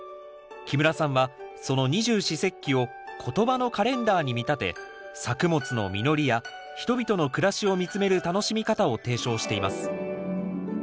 木村さんはその二十四節気を言葉のカレンダーに見立て作物の実りや人々の暮らしを見つめる楽しみ方を提唱しています